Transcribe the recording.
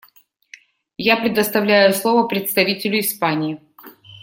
Я предоставляю слово представителю Испании.